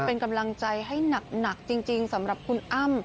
เป็นกำลังใจให้หนักจริงสำหรับคุณอ้ำ